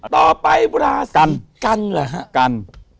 ต่อไปลาศรีกัณฑ์